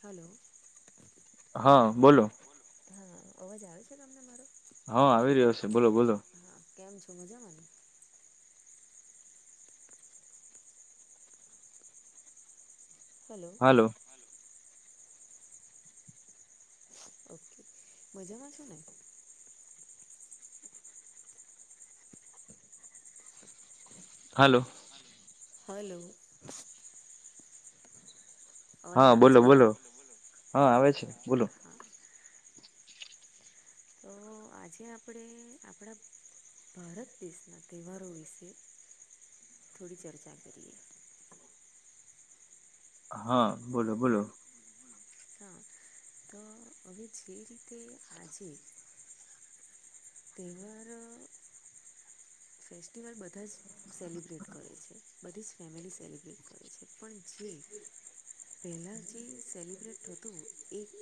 Hello હા બોલો હા અવાજ આવે છે તમને મારો હા આવી રહ્યો છે બોલો બોલો. કેમ છો મજામાં હલો હલો મજામાં છો ને હલો હલો અવાજ હા આવે બોલો છે ને બોલો હા આવે છે બોલો તો આજે આપણેે આપણા ભારત દેશના તહેવારો વિશે થોડી ચર્ચા કરીએ હા બોલો બોલો. હા તો જે છે જે રીતે આજે તેહવારો ફેસ્ટિવલ બધા જ સેલિબ્રેટ કરે છે, બધી જ ફેમિલી સેલિબ્રેટ કરે છે. પણ જે પહેલા જે સેલિબ્રટ હતું એક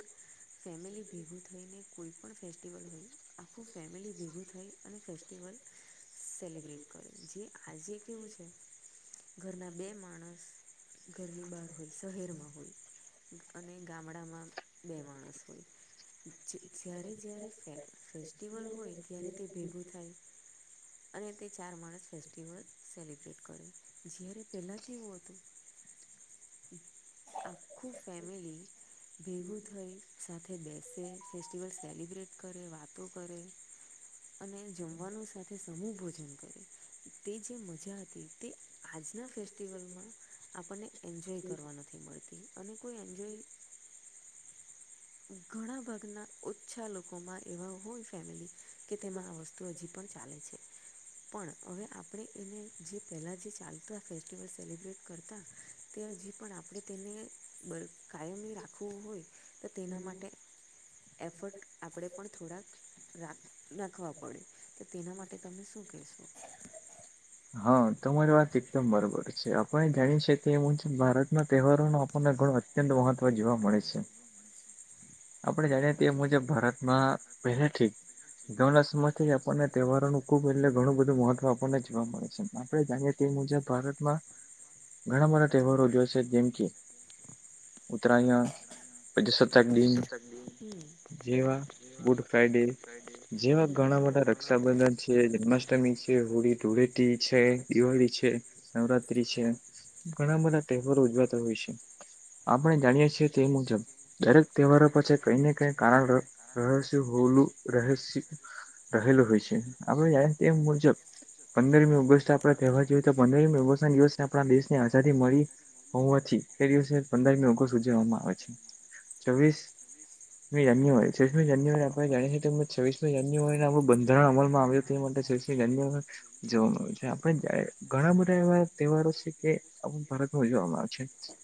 ફેમિલી ભેગૂ થઈને કોઈપણ ફેસ્ટિવલ હોય આખું ફેમિલી ભેગું થઈ અને ફેસ્ટિવલ સેલિબ્રેટ કરે જે આજે કેવું છે ઘરના બે માણસ ઘરની બહાર હોય શહેરમાં હોય. અને ગામડામાં બે માણસ હોય જ્યારે જ્યારે ફ ફેસ્ટિવલ હોય ત્યારે તે ભેગું થાય. અને તે ચાર માણસ ફેસ્ટિવલ સેલિબ્રેટ કરે, જ્યારે પહેલા કેવું હતું આખું ફેમિલી ભેગું થઈ સાથે બેસે, ફેસ્ટિવલ સેલિબ્રેટ કરે, વાતો કરે. અને જમવાનું સાથે સમૂહ ભોજન કરે, તે જે મજા હતી તે આજના ફેસ્ટિવલમાં આપણને એન્જોય કરવા નથી મળતી, અને કોઈ એન્જોય ઘણા ભાગના ઓછા લોકોમાં એવા હોય ફેમિલી કે તેમાં આ વસ્તુ હજી પણ ચાલે છે. પણ હવે આપણે એને, જે પહેલા જે ચાલતા, ફેસ્ટિવલ સેલિબ્રેટ કરતા. ત હજી પણ આપણે તેને બળ કાયમી રાખવું હોય. તો તેના માટે એફર્ટ આપણે પણ થોડાક રાખ નાખવા પડે, તો તેના માટે તમે શું કહેશો? હા તમારી વાત એકદમ બરોબર છે, આપણે જાણીશે એવુંજ ભારત ના તહેવારો નો આપણને ઘણો અત્યંત મહત્વ જોવા મળે છે. [inaudible] આપણે જાણીએ તે મુજબ ભારતમાં પહેલાથી ઘણા સમયથી આપણને તહેવારોનું ખુબ એટલે ઘણું બધું મહત્વ આપણને જોવા મળે છે, માટે જાણીએ તે મુજબ ભારતમાં ઘણા બધા તહેવારો જોશે જેમ કે ઉતરાયણ, પજાસત્તાકદિન હમ્મ જેવા ગુડ ફ્રાઈડે, જેવા હમ ઘણા બધા રક્ષાબંધન છે. જન્માષ્ટમી છે, હોળી ધૂળેટી છે, દિવાળી છે, નવરાત્રી છે. ઘણા બધા તહેવારો ઉજવાતા હોય છે, આપણે જાણીએ છીએ તે મુજબ દરેક તહેવારો પછી કઈને કઈ કારણ ર રહસ્ય હોલું રહસ્ય રહેલું હોય છે. આપડે જાણીએ તે મુજબ પંદરમી ઓગસ્ટ આપડે તહેવાર જોયએ તો પંદરમી ઓગસ્ટ ના દિવસના આપણા દેશને આઝાદી મળી. હોવાથી એ દિવસે પંદરમી ઓગસ્ટ ઉજવવામાં આવે છે, છવીસ મી જાન્યુઆરી છવીસ્મી જાન્યુઆરી આપણે જાણી છએ તેમજ છવવીસમી જાન્યુઆરીને બંધારણ અમલમાં આવે થી માટે છવીસ્મી જાન્યુઆરી જોવામાં આવે છે, આપે દા ઘણા બધા એવા તહેવારો છે કે આપણ ભારતમાં ઉજવવામાં આવે છે.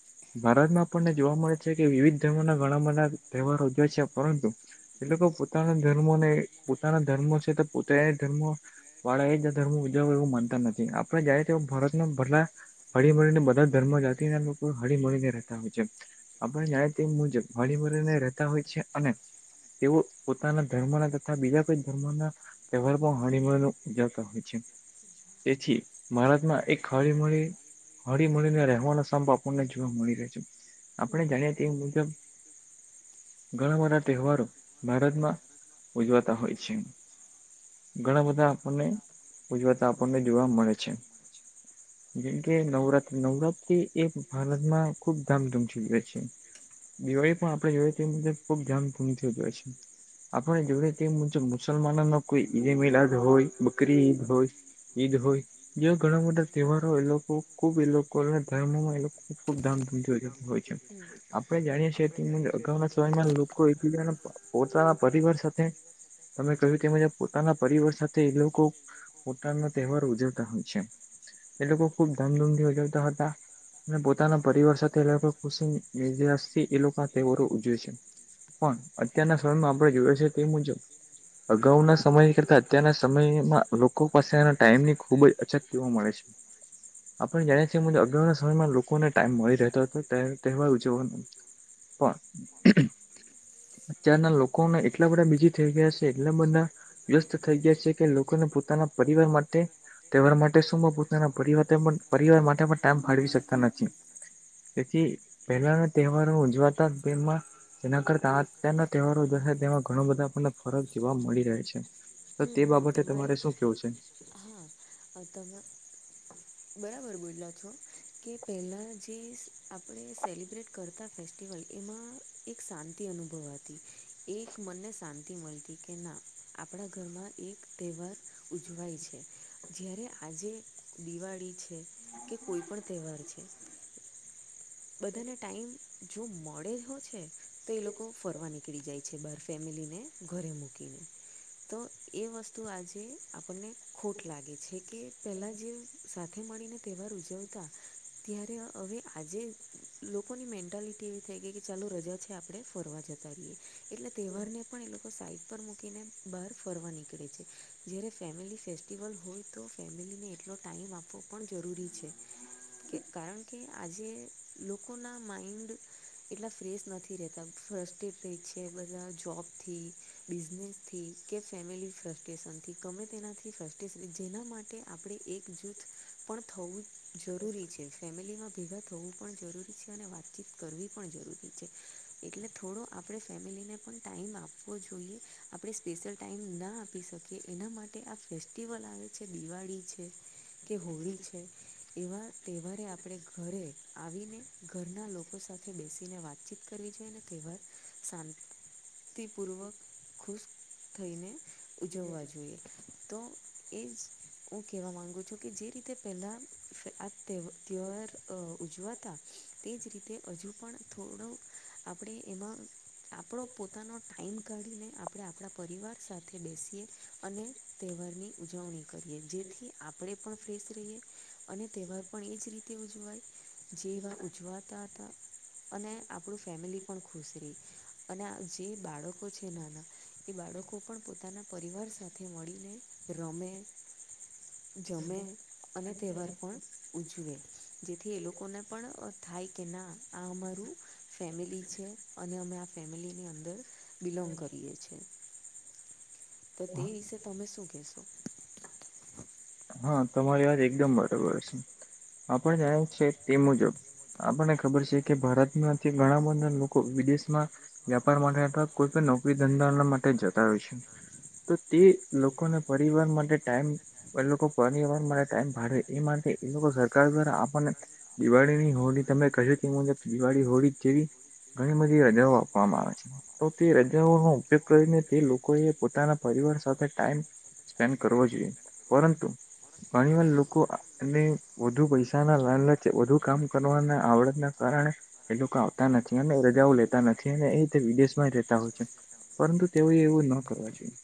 ભારતમાં આપણને જોવા મળે છે કે, વિવિધ ધર્મોના ઘણા બધા તહેવારો ઉજવાય છે. પરંતુ એ લોકો પોતાના ધર્મોને પોતાના ધર્મો છે તો પોતે એ ધર્મ વાળાએ ધર્મ ઉજાવુ એવું માનતા નથી, આપણે જાય તો ભારતમાં બધા હળીમળીને બધા જ ધર્મો જાતિના લોકો હળી મળીને રહેતા હોય છે. આપણે જાણીએ તે મુજબ હળીમળીને રહેતા હોય છે, અને તેઓ પોતાના ધર્મના તથા બીજા કોઈ ધર્મ ના તહેવાર પણ હળીમળીને ઉજવતા હોય છે. તેથી ભારતમાં એક હળીમળી હળીમળીને રહેવાનો સંપ આપણને જોવા મળી રહે છે. આપણે હમ જાણીએ તે મુજબ ઘણા બધા તહેવારો ભારતમાં ઉજવાતા હોય છે. ઘણાબધાં આપણને ઉજવતા આપણને જોવા મળે છે. [unintelligible] જેમકે નવરાત્રી, નવરાત્રી એ ભારતમાં ખુબ ધામધૂમ ઉજવે છે. દિવાળી પણ આપણે જોઈએ તે મુજબ ખુબ ધામધૂમથી ઉજવાય છે. આપણે જોઈએ તે મુજબ મુસલમાનો ન કોઈ ઈદે મિલાદ હોય, બકરી ઈદ હોય ઈદ હોય બીજા ઘણા બધા તહેવારો એ લોકો ખુબ એ લોકોના ધર્મોમાં એ લોકો ખૂબ ધામધૂમથી ઉજ હોય છે હમ આપણે જાણીએ છીએ તે મુજબ અગાઉના સમયમાં લોકો એકીબીજાના પોતાના પરિવાર સાથે તમે કહ્યું તે મુજબ પોતાના પરિવાર સાથે એ લોકો પોતાનો તહેવાર ઉજવતા હોય છે એ લોકો ખુબ ધામધૂમથી ઉજવતા હતા. અને પોતાના પરિવાર સાથે ખુશી [unintelligible] થી એ લોકો તહેવારો ઉજવે છે. પણ અત્યારનાં સમયમાં આપણે જોઈએ છે તે મુજબ અગાઉના સમય કરતા અત્યારનાં સમયમાં લોકો પાસે એના ટાઈમની ખુબ જ અછત જોવા મળે છે. આપણે જાણીએ છીએ મુજબ અગાઉના સમયમાં લોકોને ટાઈમ મળી રહેતો હતો ત્યારે તહેવાર ઉજવવાનો પણ [unintelligible] અત્યારનાં લોકોને એટલા બધા બીઝી થઈ ગયા છે. એટલા બધાં વ્યસ્ત થઈ ગયા છે કે લોકોને પોતાના પરિવાર માટે તેવાર માટે શું પોતાના પરિવાર પરિવાર માટે પણ ટાઈમ ફાળવી શકતા નથી. તેથી પહેલાના તહેવારો ઉજવાતા તેમાં જેના કરતા આ અત્યારના તહેવારો ઉજવશે તેમાં ઘણો બધા આપણને ફરક જોવા મળી રહે છે. તો હમ તે હમ બાબતે તમારી તમારે શું કેવું છે? હા તમે બરાબર બોલ્યા છો. કે પહેલા જે. આપણે સેલિબ્રેટ કરતા ફેસ્ટિવલ એમાં એક શાંતિ અનુભવાતી. એક મનને શાંતિ મળતી કે ના આપણા. ઘરમાં એક તહેવાર ઉજવાય છે જ્યારે આજે દિવાળી છે. કે કોઈ પણ તહેવાર છે. બધાને ટાાઈમ જો મળે હો છે તો એ લોકો ફરવા નીકળી જાય. છે બહાર ફેમિલીને ઘરે મૂકીને તો એ વસ્તુ આજે આપણને. ખોટ લાગે છે કે પેલા જે સાથે મળીને. તહેવાર ઉજવતા ત્યારે હવે આજે. લોકોની મેન્ટાલિટી એવી થઈ ગઈ કે ચાલો રજા છે આપ. આપણે ફરવા જતા રઈએ એટલે તહેવારને પણ એ લોકો સાઈડ. ઉપ મૂકીને બહાર ફરવા નીકળે છે જ્યારે ફેમિલી ફેસ્ટિવલ હોય. તો ફેમિલીને એટલો ટાઈમ આપવો પણ જરૂરી છે કે કારણ કે આજે. લોકોના માઇન્ડ. એટલા ફ્રેશ નથી રહેતા ફ્રસ્ટેડ થઈ છે બધા જોબથી. બિઝનેસથી કે ફેમિલી ફ્રસ્ટ્રેશનથી ગમે તેનાથી ફ્રસ્ટેશન જેના માટે. આપણે એક જૂથ પણ થવું જ જરૂરી છે ફેમિલીમાં ભેગા થવું પણ. જરૂરી છે અને વાતચીત કરવી પણ જરૂરી છે એટલે થોડો આપણે ફેમિલીને પણ ટાઈમ આપું. આપવો જોઈએ આપણે સ્પેશિયલ ટાાઈમ ના આપી શકીએ એના માટે આપ. ફેસ્ટિવલ આવે છે દિવાળી છે. કે હોળી છે એવા તહેવારે આપણે ઘરે. આવીને ઘરના લોકો સાથે બેસીને વાતચીત કરવી જોઈને તહેવાર શા. પૂર્વક ખુશ થઈને ઉજવવા જોઈએ. તો એ જ હું કહેવા માગુ છું કે જે રીતે પહેલાં. આત્ તે તર. હતા તે જ રીતે હજુ પણ થોડું આપણે એમાં. આપણો પોતાનો ટાઈમ કાઢીને આપણે આપણા પરિવાર સાથે બેસીએ. અને તહેવાર ની ઉજવણી. કરીએ જેથી આપણે પણ ફ્રેશ રહીએ અને તહેવાર પણ એ જ રીતે ઉજવાય. જે એવા ઉજવાતા હતા અને આપણું ફેમિલી પણ ખુશ રહી. અને જે બાળકો છે નાના. એ બાળકો પણ પોતાના પરિવાર સાથે મળીને રમે. જમે અને તહેવાર પણ ઉજવે જેથી એ લોકોને પણ. થાય કે ના આ અમારું ફેમિલી છે અને અમે આ ફેમિલીની અંદર. બિલોંગ કરીએ છીએ. તો તે વિશે તમે શું કહેશો. હા તમારી વાત એકદમ બરોબર છે આપ જાણે છે તે મુજબ. આપણને ખબર છે કે ભારતમાંથી ઘણા બધા લોકો વિદેશમાં. વ્યાપાર માટે અથવા કોઈ પણ નોકરી ધંધા માટે જતા હોય છે. તો તે લોકોને પરિવાર માટે ટાઈમ એ લોકો. પરર ટમ ભ એ માટે એ લોકો સરકાર દ્વારા આપને. દિવાળીની હોળી તમે કહ્યું છે એ મુજબ દિવાળી હોળી જેવી. ઘણી બધી રજાઓ આપવામાં આવે છે. તો તે રજાઓનોો ઉપયોગ કરીને તે લોકો એ પોતાના પરિવાર સાથે ટાઈમ. સ્પેન્ડ કરવો જોઈએ પરંતુ. ઘણીવાર લોકો એને વધુ પૈસાના લ લચ વધુ કામ કરવાના આવડતના કારણે. એ લોકો આવતા નથી અને રજાઓ લેતા નથી અને એ વિદેશમાં રહેેતા હોય છે. પરંતુ તેઓ એવું ન કરવા જોઈએ.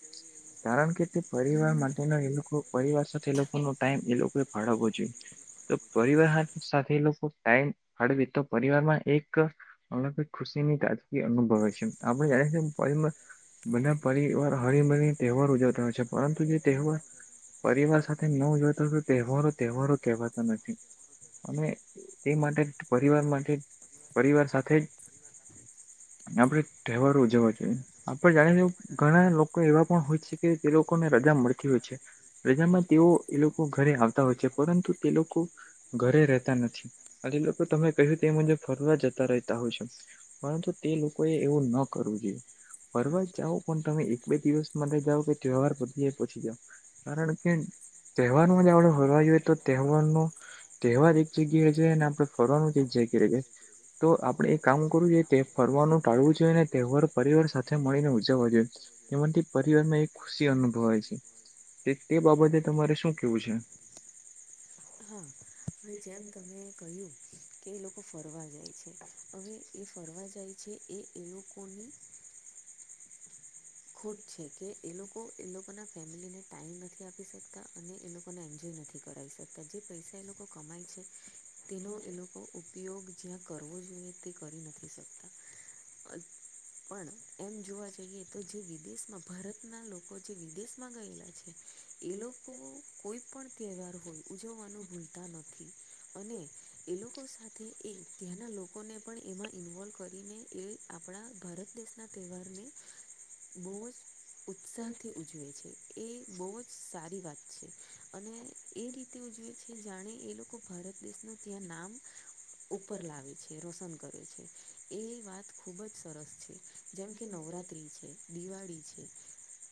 કારણ કે તે પરિવાર માટે એ લોકો પરિવાર સાથે એ લોકો. ો ટાઈમ એ લોકોએ ફાળવો જોઈએ. તો પરિવાર સાથે લોકો ટાઈમ હળવે તો પરિવારમાં એક હમણા કોઈ ખુશી ની તાજગી અનુભવ હોય છે આપણે જાણીએ છીએ પરિવાર જ બધા પરિવાર હળીમળી તહેવાર ઉજવતા હોય છે પરંતુ જે તહેવાર પરિવાર સાથે નો ઊજવાતા તહેવારો તહેવારો કહેવાતા નથી અને તે માટે જ પરિવાર માટે પરિવાર સાથે જ અને આપણે તહેવારો ઉજવવા જોઈએ આપણે જાણી ઘણા લોકો એવા પણ હોય છે કે તે લોકોને રજા મળતી હોય છે રજામાં તેઓ એ લોકો ઘરે આવતા હોય છે પરંતુ તે લોકો ઘરે રહેતા નથી હજી લોકો તમે કહ્યું તે મુજબ ફરવા જતા રહેતા હોય છે પરંતુ તે લોકોએ એવું ન કરવું જોઈએ ફરવા જ જાઓ પણ તમે એક બે દિવસ માટે જાઓ તે પછી ત્યોહાર પતી જાય પછી જાઓ કારણ કે તહેવારમાં જ આપણે ફરવા જઈએ તો તહેવારનો તહેવાર એક જગ્યા છે ને આપણે ફરવાનું જ એક જગ્યા છે તો આપણે એ કામ કરવું જોઈએ તે ફરવાનું ટાળવું જોઈએ ને તહેવાર પરિવાર સાથે મળીને ઉજવવા જોઈએ એમાંથી પરિવાર માં એક ખુશી અનુભવાય છે તે તે બાબતે તમારે શું કેવું છે હા જેમ તમે કહ્યું કે એ લોકો ફરવા જાય છે હવે એ ફરવા જાય છે એ એ લોકોની ખુટ છે કે એ લોકો એ લોકોના ફેમિલીને ટાઈમ નથી આપી શકતા અને એ લોકોને એન્જોય નથી કરાવી શકતા જે પૈસા એ લોકો કમાય છે તેનો એ લોકો ઉપયોગ જ્યાં કરવો જોઈએ તે કરી નથી શકતા પણ પણ એમ જોવા જઈએ તો જે વિદેશમાં ભરતના લોકો જે વિદેશમાં ગયેલા છે એ લોકો કોઈ પણ તહેવાર હોય ઉજવવાનું ભૂલતા નથી અને એ લોકો સાથ તે એ ત્યાંના લોકોને પણ એમાં ઇન્વોલ્વ કરીને એ આપણા ભરત દેશના તહેવારને બહુ જ ઉત્સાહથી ઉજવે છે એ બહુ જ સારી વાત છે અને એ રીતે ઉજવે છે જાણે એ લોકો ભરત દેશના ત્યાં નામ ઉપર લાવે છે રોશન કરે છે એ વાત ખૂબ જ સરસ છે જેમ કે નવરાત્રી છે દિવાળી છે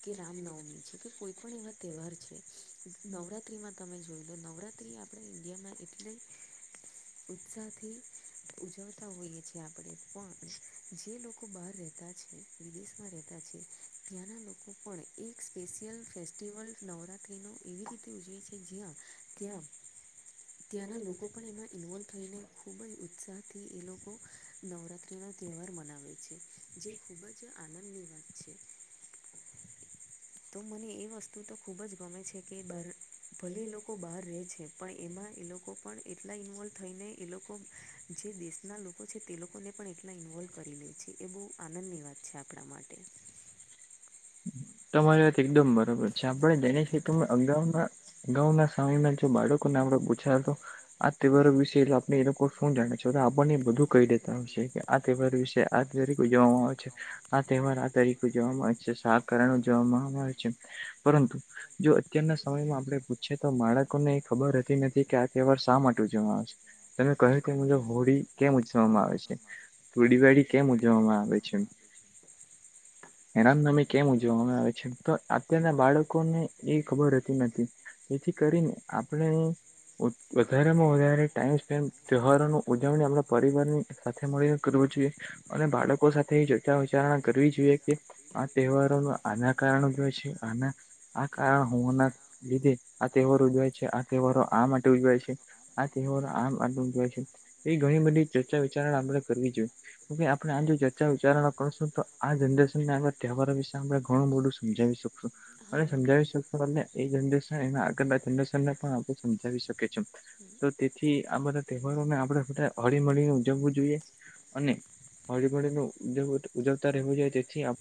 કે રામનવમી છે કે કોઈપણ એવા તહેવાર છે નવરાત્રિમાં તમે જોઈ લો નવરાત્રિ આપણા ઇન્ડિયામાં એટલે ઉત્સાહથી ઉજવતા હોઈએ છીએ આપણે પણ જે લોકો બહાર રહેતા છે વિદેશમાં રહેતા છે. ત્યાંના લોકો પણ એક સ્પેશિયલ ફેસ્ટિવલ નવરાત્રિનો એવી રીતે ઉજવે છે જ્યાં ત્યાં ત્યાંના લોકો પણ એમાં ઇન્વોલ્વ થઈને ખૂબ જ ઉત્સાહથી એ લોકો નવરાત્રી નો તહેવાર મનાવે છે જે ખૂબ જ આનંદ વાત છે તો મને એ વસ્તુ તો ખુબ જ ગમે છે. કે બાર ભલે એ લોકો બહાર રહે છે પણ એમાં એ લોકો લોકો પણ એટલા ઇન્વોલ્વ થઈને એ લોકો જે દેશના લોકો છે તે લોકોને પણ એટલા ઇન્વોલ્વ કરી લે છે એ બહુ આનંદની વાત છે આપણા માટે તમારી વાત એકદમ બરોબર છે આપણે જેને હેતુ અગાઉના ગાઉ ના સમયમાં જો બાળકો ને આપણે પૂછાયતો આ તહેવારો વિશે એલે આપણે એ લોકો શું જાણે છે આપણને બધું કહી દેતા હોયશે આ તહેવાર વિશે આ તરીકે જોવામાં આવે છે આ તહેવાર આ તરીકે જોવામાં આવે છે શાક કારણ ઊજવવા માં આવે છે પરંતુ જો અત્યારના સમયમાં આપણે પૂછી તો બાળકોને એ ખબરતી નથી કે આ તહેવાર શા માટે ઉજવાશે તમે કહ્યું કે મુજબ હોળી કેમ ઉજવવામાં આવે છે. થોડીવાડી કેમ ઉજવવામાં આવે છે એ ના તમે કેમ ઉજવવામાં આવે છે તો અત્યારના બાળકો ને એ ખબર રેતી નથી એથી કરીને આપણે વધારે માં વધારે ટાઈમ સ્પેન્ડ તહેવારોની ઉજવણી આપણા પરિવારની સાથે મળીને કરવું જોઈએ અને બાળકો સાથે ચર્ચા વિચારણા કરવી જોઈએ કે તહેવારો ન આના કારણો કે છે આના આ કાર હોવાના લીધે આ તહેવારો ઉજવાય છે આ તહેવારો આ માટે ઉજવાય છે. આ તહેવાર આમ આમી જોય છે એ ઘણી બધી ચર્ચા વિચારણા આપડે કરવી જોઈએ તોકે આપણે આ જો ચર્ચા વિચારો કરશું તો આ જનરેશન ને આગ તહેવારા વિશે આપણે ઘણું બધું સમજાવી શકશું અને હા સમજાવી શકો અને એ જરેન એ આગળ જરેનને પણ આપ સમજાવી શકે છે. તો તેથી આ બધા તહેવારોને આપડે બધા હળીમળીને ઉજવવું જોઈએ અને હળી ભળી લ ઉજવતા રહેવું જોઈ તેથી આપ